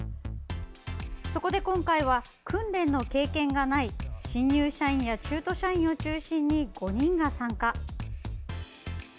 そこで今回は訓練の経験がない新入社員や中途社員を中心に５人が参加。